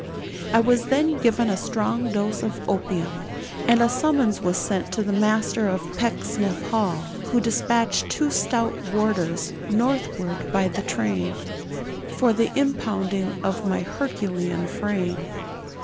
I was then given a strong dose of opium, and a summons was sent to the Master of Pecksniff Hall, who despatched two stout warders northward by the train, for the impounding of my Herculean frame.